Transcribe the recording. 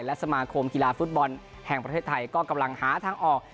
และสมาคมกีฬาฟุตบอลแห่งประเทศไทยก็กำลังหาทางออก